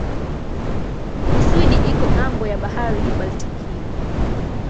Uswidi iko ng'ambo ya bahari ya Baltiki.